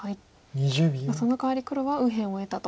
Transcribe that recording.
そのかわり黒は右辺を得たと。